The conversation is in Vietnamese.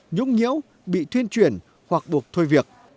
nhúc nhễu bị thuyên chuyển hoặc buộc thôi việc